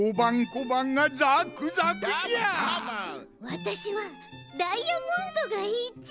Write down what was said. わたしはダイヤモンドがいいち。